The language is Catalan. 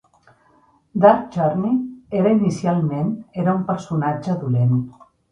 Dark Journey era inicialment era un personatge dolent.